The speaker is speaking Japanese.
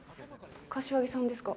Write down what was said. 柏木さんですか？